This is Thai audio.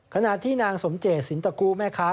ขณะที่นางสมเจตสินตะกูแม่ค้า